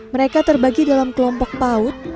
mereka terbagi dalam kelompok paut